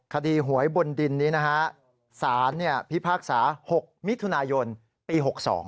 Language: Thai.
คดีหวยบนดินนี้นะฮะสารพิพากษา๖มิถุนายนปี๖๒